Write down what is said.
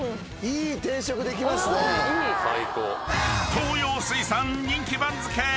［東洋水産人気番付］